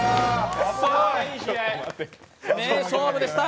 名勝負でした。